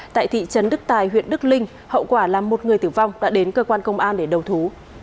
tại thị trấn đức tài huyện đức linh hậu quả là một người tử vong đã đến cơ quan công an để đầu thú